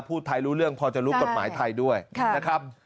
ไทยรู้เรื่องพอจะรู้กฎหมายไทยด้วยนะครับ